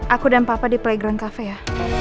aku dan papa di playground cafe ya